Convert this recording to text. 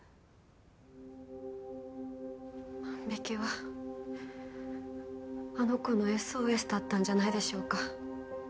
万引きはあの子のＳＯＳだったんじゃないでしょうか。